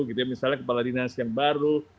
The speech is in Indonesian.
misalnya kepala dinas yang baru